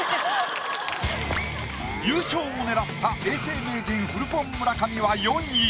優勝を狙った永世名人フルポン・村上は４位。